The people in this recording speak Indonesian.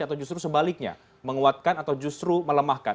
atau justru sebaliknya menguatkan atau justru melemahkan